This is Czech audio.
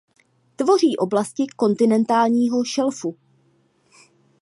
Tvoří oblasti kontinentálního šelfu.